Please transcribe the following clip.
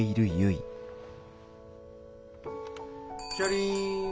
・・チャリン。